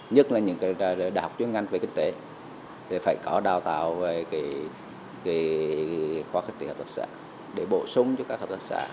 nhất là những đại học chuyên ngành về kinh tế thì phải có đào tạo về khoa kinh tế hợp tác xã để bổ sung cho các hợp tác xã